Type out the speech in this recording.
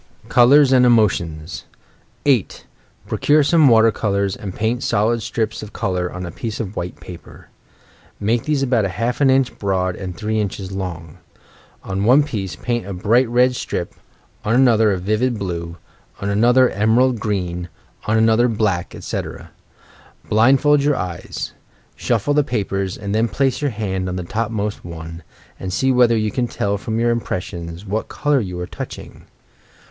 COLOURS AND EMOTIONS 8. Procure some water colours and paint solid strips of colour on a piece of wliite paper. Make these about half an inch broad and three inches long. On one piece paint a bright red strip, on another a vivid blue, on another emerald green, on another black, etc. Blind fold your eyes, shufBe the papers, and then place your hand on the topmost one, and see whether you can tell from your impressions what colour you are touching.